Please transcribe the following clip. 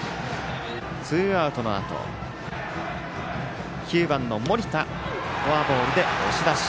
ツーアウトのあと９番の盛田フォアボールで押し出し。